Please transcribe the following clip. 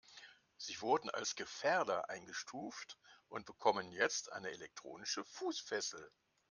Sie wurden als Gefährder eingestuft und bekommen jetzt eine elektronische Fußfessel.